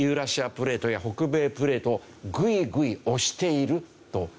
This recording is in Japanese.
プレートや北米プレートをグイグイ押しているという。